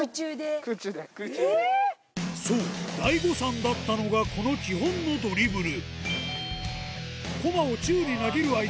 そう大誤算だったのがこの基本のドリブル